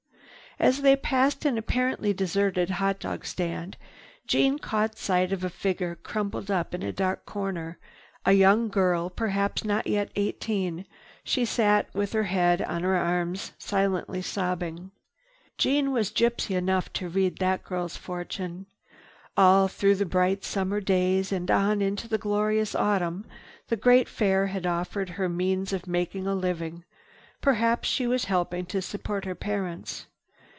As they passed an apparently deserted hot dog stand, Jeanne caught sight of a figure crumpled up in a dark corner. A young girl, perhaps not yet eighteen, she sat with head on arms, silently sobbing. Jeanne was gypsy enough to read that girl's fortune. All through the bright summer days and on into the glorious autumn, the great Fair had offered her means of making a living. Perhaps she was helping to support her parents.